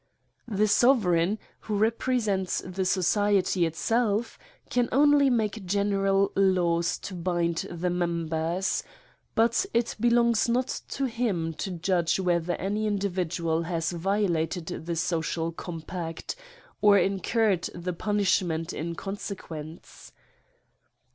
CRIMES AND PUNISHMENTS. 21 The sovereign, who represents the society it self, can only make general laws to bind the menibers ; but it belongs not to him to judge whether any individual has violated the social compact, or incurred the punishment in conse quence.